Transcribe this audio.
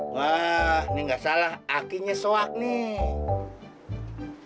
wah ini nggak salah akinya soak nih